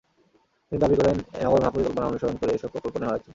তিনি দাবি করেন, নগর মহাপরিকল্পনা অনুসরণ করে এসব প্রকল্প নেওয়া হয়েছে।